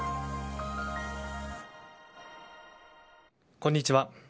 こんにちは。